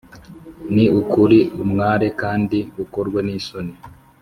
Ni ukuri umware, kandi ukorwe n’isoni